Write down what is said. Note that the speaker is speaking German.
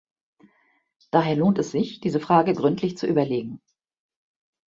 Daher lohnt es sich, diese Frage gründlich zu überlegen.